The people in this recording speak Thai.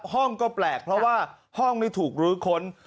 ห้องก็แปลกเพราะว่าห้องไม่ถูกลื้อค้น